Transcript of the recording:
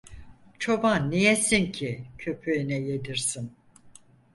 Çoban ne yesin ki köpeğine yedirsin?